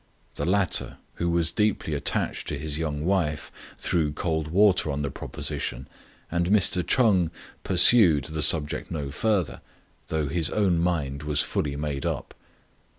The latter, who was deeply at tached to his young wife, threw cold water on the proposition, and Mr. Ch'eng pursued the subject no farther, though his own mind was fully made up.